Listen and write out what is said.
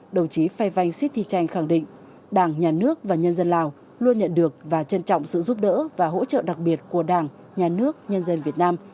đồng chí phae vanh sittichang khẳng định đảng nhà nước và nhân dân lào luôn nhận được và trân trọng sự giúp đỡ và hỗ trợ đặc biệt của đảng nhà nước nhân dân việt nam